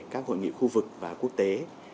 các hội nghị khu vực và quốc tế